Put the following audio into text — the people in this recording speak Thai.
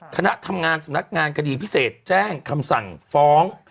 คณะทำงานสำนักงานคดีพิเศษแจ้งคำสั่งฟ้อง